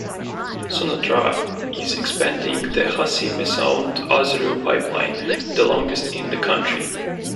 Sonatrach is expanding the Hassi Messaoud-Azrew pipeline, the longest in the country.